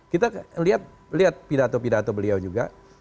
kita lihat pidato pidato beliau juga